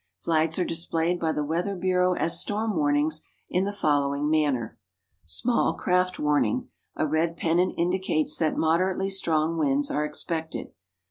Flags are displayed by the Weather Bureau as storm warnings in the following manner: Small Craft Warning: A red pennant indicates that moderately strong winds are expected.